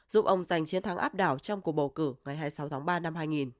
giúp ông giành chiến thắng áp đảo trong cuộc bầu cử ngày hai mươi sáu tháng ba năm hai nghìn